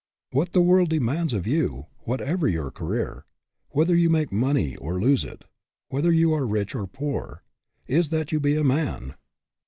What the world demands of you, whatever your career, whether you make money or lose it, whether you are rich or poor, is that you be a man.